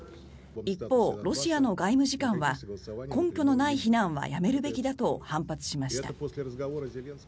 一方、ロシアの外務次官は根拠のない非難はやめるべきだと反発しました。